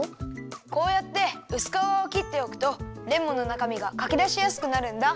こうやってうすかわをきっておくとレモンのなかみがかきだしやすくなるんだ。